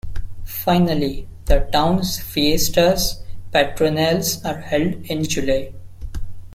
Finally, the town's Fiestas Patronales are held in July.